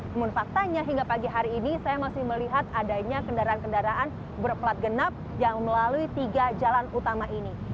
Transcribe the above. namun faktanya hingga pagi hari ini saya masih melihat adanya kendaraan kendaraan berplat genap yang melalui tiga jalan utama ini